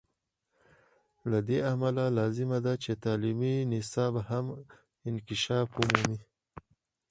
له دې امله لازمه ده چې تعلیمي نصاب هم انکشاف ومومي.